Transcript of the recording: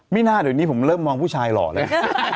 หน้าเดี๋ยวนี้ผมเริ่มมองผู้ชายหล่อแล้ว